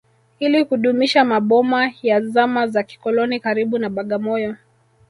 Ili kudumisha maboma ya zama za kikoloni karibu na Bagamoyo